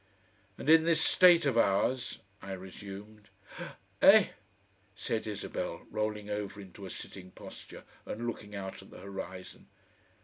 "And in this State of ours," I resumed. "Eh!" said Isabel, rolling over into a sitting posture and looking out at the horizon.